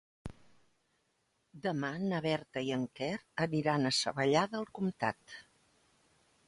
Demà na Berta i en Quer aniran a Savallà del Comtat.